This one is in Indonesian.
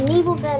ini ibu plamika